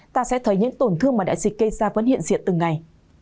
ta sẽ thấy những tổn thương mà đã dịch kê ra vẫn hiện diện từng ngày